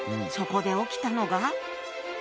そこで起きたのが。